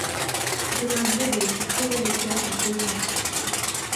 C’était un vrai deuil qui crevait le cœur du pays entier.